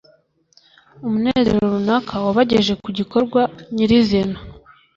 umunezero runaka wabageje ku gikorwa nyirizina